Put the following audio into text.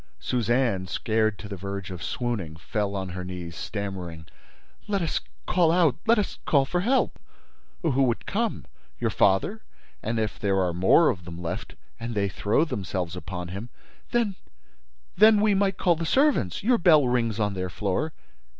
Suzanne, scared to the verge of swooning, fell on her knees, stammering: "Let us call out—let us call for help—" "Who would come? Your father—and if there are more of them left—and they throw themselves upon him—?" "Then—then—we might call the servants—Your bell rings on their floor."